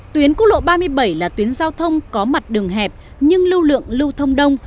tuyến cúc lộ ba mươi bảy là tuyến giao thông có mặt đường hẹp nhưng lưu lượng lưu thông đông